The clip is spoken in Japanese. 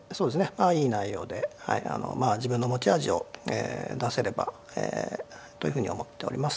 まあいい内容で自分の持ち味を出せればというふうに思っております。